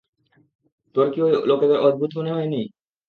তোর কী ঐ লোকেদের অদ্ভুত মনে হয়নি?